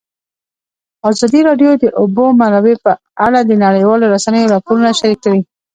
ازادي راډیو د د اوبو منابع په اړه د نړیوالو رسنیو راپورونه شریک کړي.